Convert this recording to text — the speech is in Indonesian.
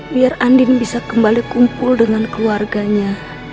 biar andin bisa kembali kumpul dengan keluarganya